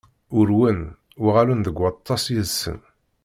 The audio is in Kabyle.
Urwen, uɣalen deg waṭas yid-sen.